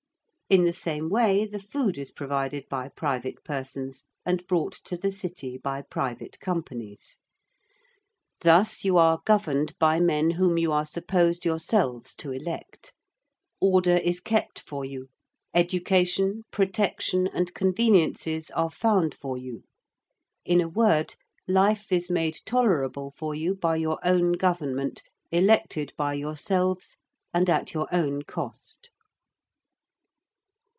In the same way the food is provided by private persons and brought to the city by private companies. Thus you are governed by men whom you are supposed yourselves to elect: order is kept for you: education, protection, and conveniences are found for you: in a word, life is made tolerable for you by your own Government elected by yourselves and at your own cost.